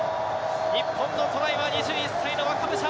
日本のトライは２１歳の若武者！